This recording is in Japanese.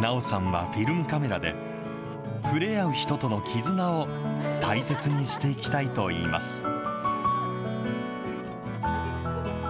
奈緒さんはフィルムカメラで、触れ合う人との絆を大切にしていきたいといいます。